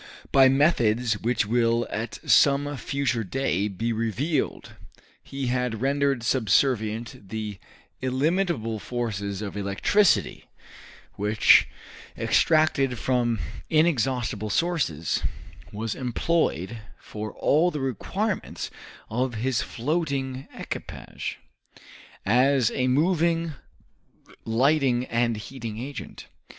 By methods which will at some future day be revealed he had rendered subservient the illimitable forces of electricity, which, extracted from inexhaustible sources, was employed for all the requirements of his floating equipage, as a moving, lighting, and heating agent.